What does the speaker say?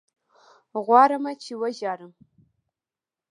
غواړمه چې ژاړم